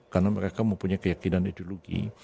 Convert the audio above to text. karena mereka mempunyai keyakinan ideologi